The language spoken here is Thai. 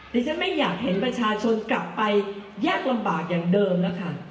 ดิฉันไม่อยากเห็นประชาชนกลับไปยากลำบากอย่างเดิมนะคะ